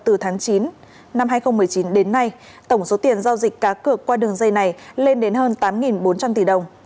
từ tháng chín năm hai nghìn một mươi chín đến nay tổng số tiền giao dịch cá cược qua đường dây này lên đến hơn tám bốn trăm linh tỷ đồng